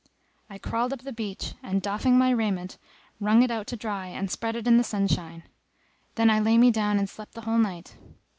I crawled up the beach and doffing my raiment wrung it out to dry and spread it in the sunshine: then I lay me down and slept the whole night.